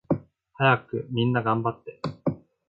はやくみんながんばって